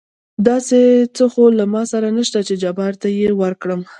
داسې څه خو له ما سره نشته چې جبار ته يې ورکړم.